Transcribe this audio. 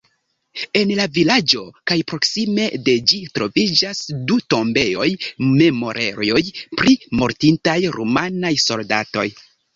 En la vilaĝo kaj proksime de ĝi troviĝas du tombejoj-memorejoj pri mortintaj rumanaj soldatoj.